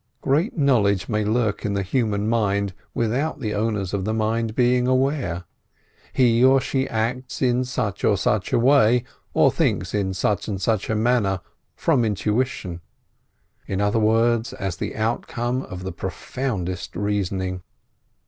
Great knowledge may lurk in the human mind without the owner of the mind being aware. He or she acts in such or such a way, or thinks in such and such a manner from intuition; in other words, as the outcome of the profoundest reasoning.